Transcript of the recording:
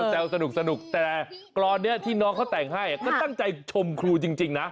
แซวสนุกแต่กรอนนี้ที่น้องเขาแต่งให้ก็ตั้งใจชมครูจริงนะ